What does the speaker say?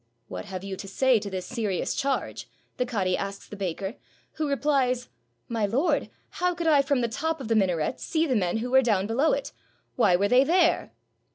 "What have you to say to this serious charge?" the cadi asks the baker, who replies, "My lord, how could I from the top of the minaret see the men who were down below it ? Why were they there?"